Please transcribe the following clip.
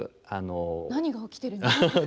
何が起きてるのか？